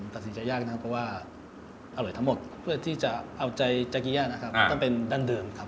ตัดสินใจยากนะครับเพราะว่าอร่อยทั้งหมดเพื่อที่จะเอาใจนะครับต้องเป็นดั้งเดิมครับ